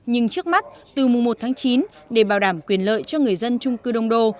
nhưng trước mắt từ mùng một tháng chín để bảo đảm quyền lợi cho người dân trung cư đông đô